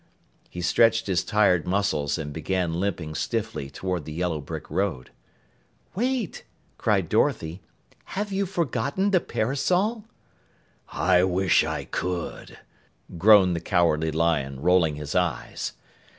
He stretched his tired muscles and began limping stiffly toward the yellow brick road. "Wait," cried Dorothy, "have you forgotten the parasol?" "I wish I could," groaned the Cowardly Lion, rolling his eyes.